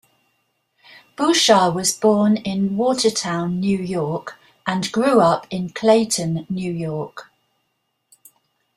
Bouchard was born in Watertown, New York and grew up in Clayton, New York.